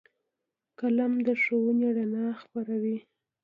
قلم د ښوونې رڼا خپروي